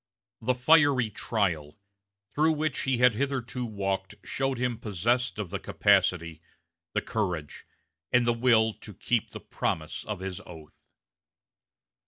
"The fiery trial" through which he had hitherto walked showed him possessed of the capacity, the courage, and the will to keep the promise of his oath.